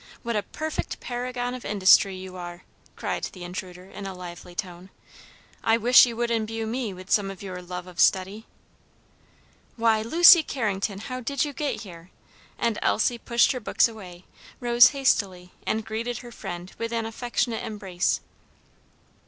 what a perfect paragon of industry you are," cried the intruder in a lively tone. "I wish you would imbue me with some of your love of study." "Why, Lucy Carrington! how did you get here?" and Elsie pushed her books away, rose hastily and greeted her friend with an affectionate embrace.